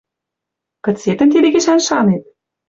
Кыце тӹнь тидӹн гишӓн шанет?»